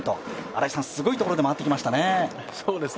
新井さん、すごいところで回ってきましたね。